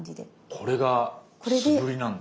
これが素振りなんだ。